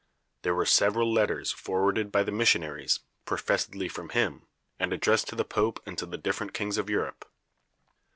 There were several letters forwarded by the missionaries, professedly from him, and addressed to the Pope and to the different kings of Europe.